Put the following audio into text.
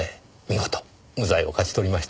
見事無罪を勝ち取りました。